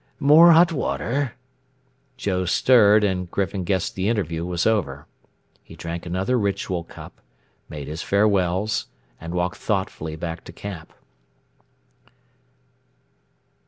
More hot water?" Joe stirred and Griffin guessed the interview was over. He drank another ritual cup, made his farewells and walked thoughtfully back to camp.